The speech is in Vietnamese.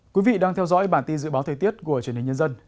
quý vị đang theo dõi bản tin dự báo thời tiết của truyền hình nhân dân